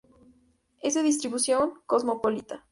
Es de distribución cosmopolita.